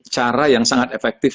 cara yang sangat efektif